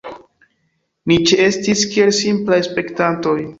Ni ĉeestis kiel simplaj spektantoj.